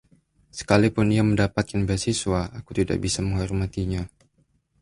Sekalipun ia mendapatkan beasiswa, aku tidak bisa menghormatinya.